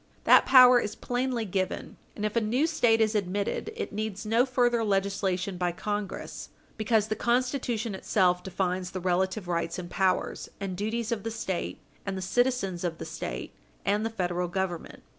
That power is plainly given, and if a new State is admitted, it needs no further legislation by Congress, because the Constitution itself defines the relative rights and powers and duties of the State, and the citizens of the State, and the Federal Government.